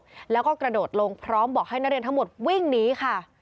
แล้วก็กระโดดลงพร้อมบอกให้นักเรียนทั้งหมดวิ่งหนีค่ะ